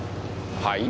はい？